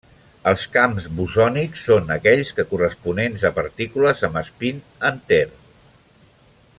Els camps bosònics són aquells corresponents a partícules amb espín enter.